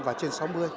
và trên sáu mươi